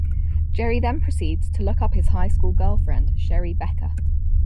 Jerry then proceeds to look up his high school girlfriend, Sherry Becker.